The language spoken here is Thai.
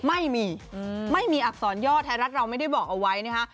ไม่มีไม่มีอักษรย่อไทยรัฐเราไม่ได้บอกเอาไว้นะคะ